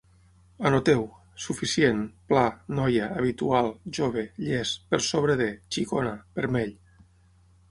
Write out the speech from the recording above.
Anotau: suficient, pla, noia, habitual, jove, llest, per sobre de, xicona, vermell